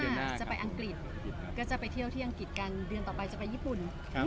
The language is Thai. จะไปอังกฤษก็จะไปเที่ยวที่อังกฤษกันเดือนต่อไปจะไปญี่ปุ่นครับ